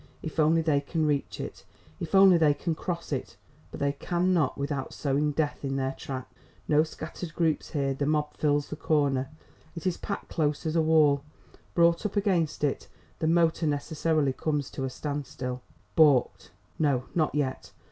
If only they can reach it! if only they can cross it! But they cannot without sowing death in their track. No scattered groups here, the mob fills the corner. It is packed close as a wall. Brought up against it, the motor necessarily comes to a stand still. Balked? No, not yet.